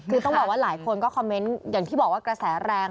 คือต้องบอกว่าหลายคนก็คอมเมนต์อย่างที่บอกว่ากระแสแรง